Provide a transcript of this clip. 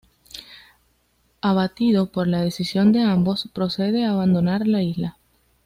Abatido por la decisión de ambos, procede a abandonar la isla.